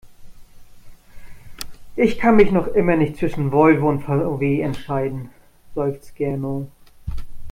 Ich kann mich noch immer nicht zwischen Volvo und VW entscheiden, seufzt Gernot.